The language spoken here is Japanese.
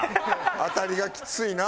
当たりがきついな。